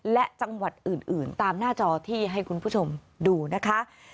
และจังหวัดอื่นตามหน้าจอที่ให้คุณผู้ชมดูนะคะ